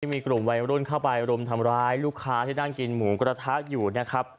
มีกลุ่มวัยรุ่นเข้าไปรุมทำร้ายลูกค้าที่นั่งกินหมูกระทะอยู่นะครับ